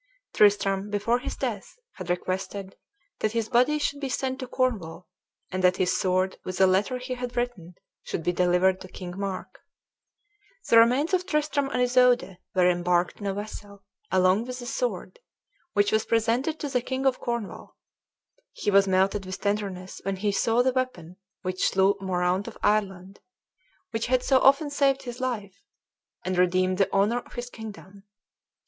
Tristram, before his death, had requested that his body should be sent to Cornwall, and that his sword, with a letter he had written, should be delivered to King Mark. The remains of Tristram and Isoude were embarked in a vessel, along with the sword, which was presented to the king of Cornwall. He was melted with tenderness when he saw the weapon which slew Moraunt of Ireland, which had so often saved his life, and redeemed the honor of his kingdom.